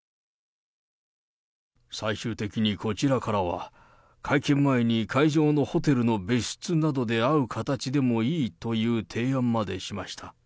最終的にこちらからは、会見前に会場のホテルの別室などで会う形でもいいという提案までしました。